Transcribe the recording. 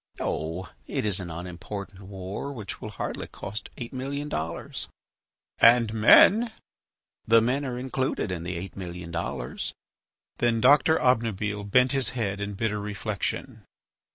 "Oh! it is an unimportant war which will hardly cost eight million dollars." "And men ..." "The men are included in the eight million dollars." Then Doctor Obnubile bent his head in bitter reflection.